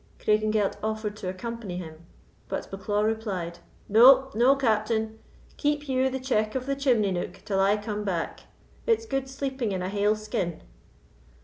Craigengelt offered to accompany him; but Bucklaw replied: "No, no, Captain, keep you the check of the chimney nook till I come back; it's good sleeping in a haill skin.